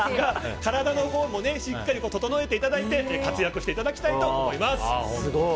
体のほうもしっかり整えていただいて活躍していただきたいと思います。